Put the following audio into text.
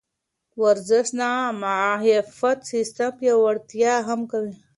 ورزش د معافیت سیستم پیاوړتیا هم کوي.